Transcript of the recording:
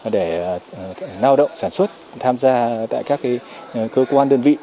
để lao động sản xuất tham gia tại các cơ quan đơn vị